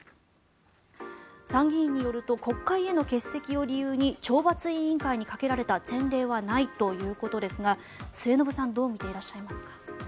参議院によると国会への欠席を理由に懲罰委員会にかけられた前例はないということですが末延さんどう見ていらっしゃいますか。